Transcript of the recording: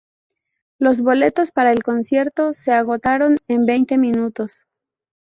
Los boletos para el concierto se agotaron en veinte minutos.